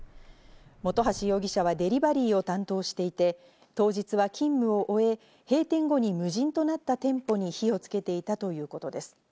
本橋容疑者はデリバリーを担当していて、当日は勤務を終え、閉店後に無人となった店舗に火をつけていたということです。